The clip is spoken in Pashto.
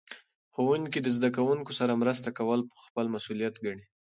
ښوونکي د زده کوونکو سره مرسته کول خپل مسؤلیت ګڼي.